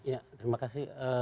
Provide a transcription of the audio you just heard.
iya terima kasih